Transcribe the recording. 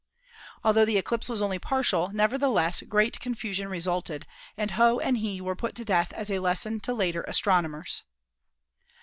Altho the eclipse was only partial, nevertheless great confusion resulted, and Ho and Hi were put to death as a lesson to later astronomers.